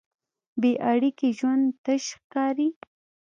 بېاړیکې ژوند تش ښکاري.